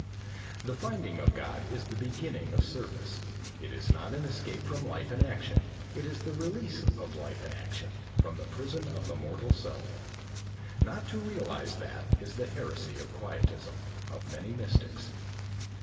The finding of God is the beginning of service. It is not an escape from life and action; it is the release of life and action from the prison of the mortal self. Not to realise that, is the heresy of Quietism, of many mystics.